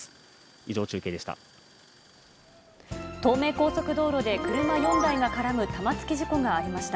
以上、中継でした。